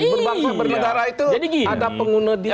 berbakat bernedara itu ada pengguna di ke